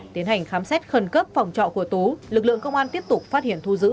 tiến hành khám xét khẩn cấp phòng trọ của tú lực lượng công an tiếp tục phát hiện thu giữ